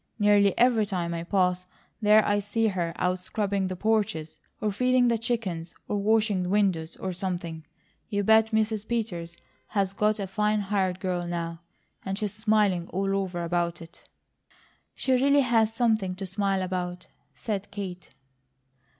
Nearly every time I pass there I see her out scrubbing the porches, or feeding the chickens, or washing windows, or something. You bet Mrs. Peters has got a fine hired girl now, and she's smiling all over about it." "She really has something to smile about," said Kate.